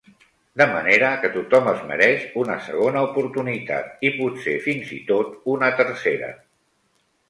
De manera que tothom es mereix una segona oportunitat i potser, fins i tot, una tercera.